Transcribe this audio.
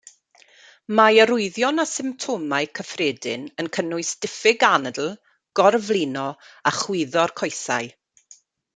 Mae arwyddion a symptomau cyffredin yn cynnwys diffyg anadl, gorflino a chwyddo'r coesau.